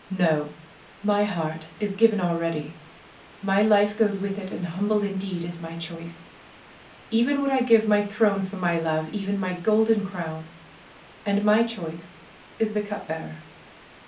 No ! My heart is given already. My life goes with it, and humble indeed is my choice ! Even would I give my throne for my love, even my golden crown! And my choice is the cup bearer."